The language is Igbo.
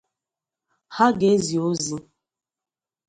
ha ga-ezi ozi